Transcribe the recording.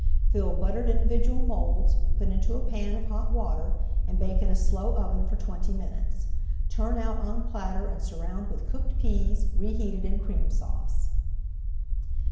Fill buttered individual moulds, put into a pan of hot [Page 180] water, and bake in a slow oven for twenty minutes. Turn out on a platter and surround with cooked peas, reheated in Cream Sauce.